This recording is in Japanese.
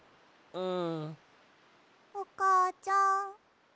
うん。